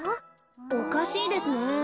おかしいですね。